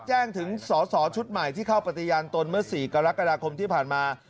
แจ้งถึงสอสอชุดใหม่ที่เข้าปฏิญาณตนเมื่อ๔กรกฎาคมที่ผ่านมา